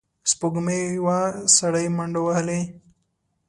سپوږمۍ وه، سړی منډې وهلې.